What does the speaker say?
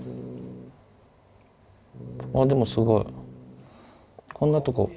あっでもすごいこんなとこ。